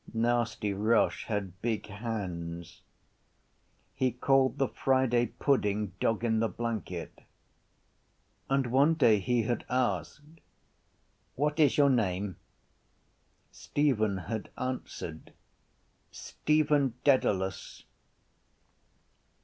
Nasty Roche had big hands. He called the Friday pudding dog in the blanket. And one day he had asked: —What is your name? Stephen had answered: Stephen Dedalus.